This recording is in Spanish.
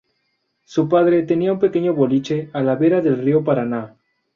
Su padre tenía un pequeño boliche a la vera del río Paraná.